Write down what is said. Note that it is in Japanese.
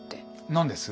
何です？